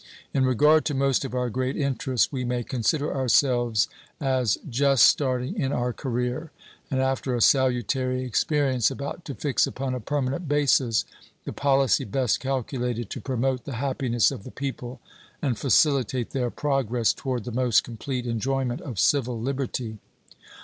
In regard to most of our great interests we may consider ourselves as just starting in our career, and after a salutary experience about to fix upon a permanent basis the policy best calculated to promote the happiness of the people and facilitate their progress toward the most complete enjoyment of civil liberty.